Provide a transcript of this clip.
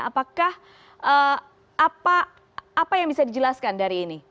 apakah apa yang bisa dijelaskan dari ini